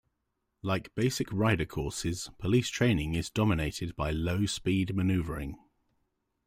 Like basic rider courses, police training is dominated by low-speed maneuvering.